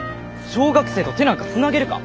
小学生と手なんかつなげるか。